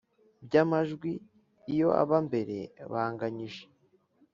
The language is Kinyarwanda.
bw amajwi Iyo aba mbere banganyije